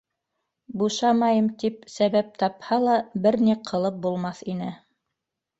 Бушамайым тип сәбәп тапһа ла бер ни ҡылып булмаҫ ине.